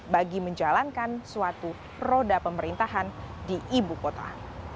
bagi menjalankan suatu roda pemerintahan di ibu kota